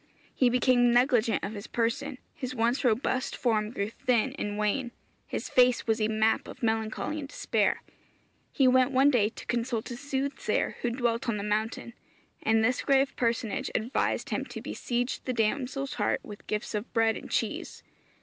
He became negligent of his person; his once robust form grew thin and wan; his face was a map of melancholy and despair. He went one day to consult a soothsayer who dwelt on the mountain, and this grave personage advised him to besiege the damsel's heart with gifts of bread and cheese.